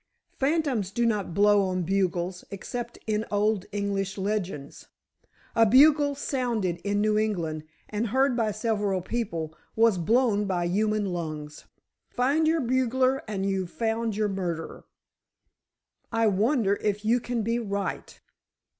Phantoms do not blow on bugles except in old English legends. A bugle sounded in New England and heard by several people, was blown by human lungs. Find your bugler and you've found your murderer." "I wonder if you can be right!"